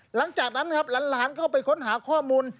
หลังจากนั้นครับหลานเข้าไปค้นหาข้อมูล